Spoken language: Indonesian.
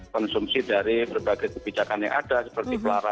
konsumsi dari berbagai kebijakan yang ada seperti pelarangan